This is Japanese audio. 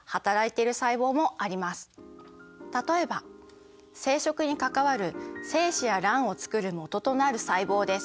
例えば生殖に関わる精子や卵をつくるもととなる細胞です。